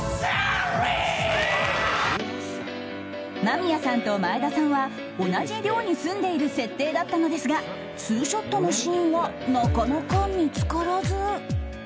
［間宮さんと前田さんは同じ寮に住んでいる設定だったのですがツーショットのシーンはなかなか見つからず］